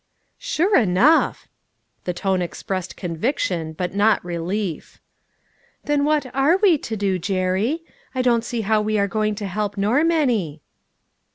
" Sure enough !" the tone expressed convic tion, but not relief. " Then what are we to do, Jerry ? I don't see how we are going to help Norm any."